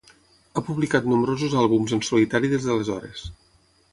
Ha publicat nombrosos àlbums en solitari des d'aleshores.